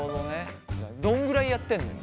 どんぐらいやってんの？